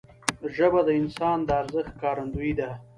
ژبه د انسان د ارزښت ښکارندوی ده